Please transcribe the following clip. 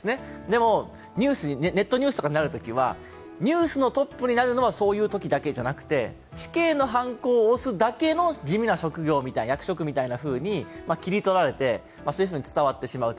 でもネットニュースになるのはニュースのトップになるのはそういうときだけじゃなくて死刑のはんこを押すだけの地味な職業、役職みたいに切り取られてそういうふうに伝わってしまう。